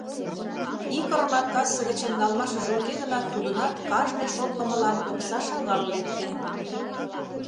Ик ырымат касса гычын налмашыже уке гынат, тудынат кажне шотлымылан окса шагал лекте.